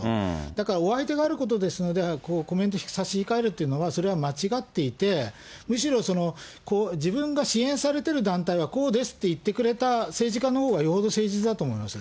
だからお相手があることですのでコメント差し控えるというのは、それは間違っていて、むしろ自分が支援されてる団体はこうですって言ってくれた政治家のほうがよほど誠実だと思います。